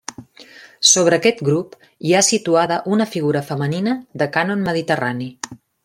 Sobre aquest grup hi ha situada una figura femenina de cànon mediterrani.